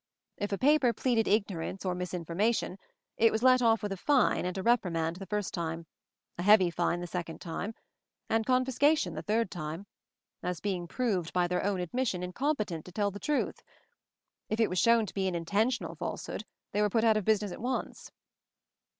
If a paper pleaded ignorance or misinformation it was let off with a fine and a reprimand the first time, a heavy fine the second time, and con fiscation the third time; as being proved by their own admission incompetent to tell the truth ! If it was shown to be an intentional falsehood they were put out of business at once."